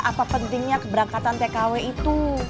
apa pentingnya keberangkatan tkw itu